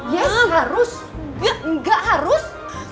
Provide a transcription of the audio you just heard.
yes harus nggak harus